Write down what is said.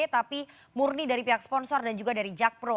tapi murni dari pihak sponsor dan juga dari jakpro